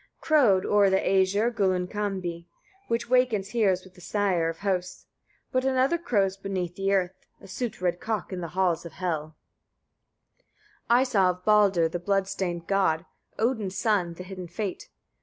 35. Crowed o'er the Æsir Gullinkambi, which wakens heroes with the sire of hosts; but another crows beneath the earth, a soot red cock, in the halls of Hel. 36. I saw of Baldr, the blood stained god, Odin's son, the hidden fate.